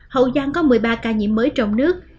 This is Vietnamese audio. hậu giang có một mươi ba ca nhiễm mới trong nước